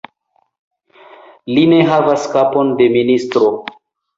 Li ne havas kapon de ministro.